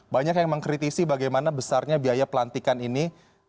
banyak yang mengkritisi bagaimana besarnya biaya pelantikan ini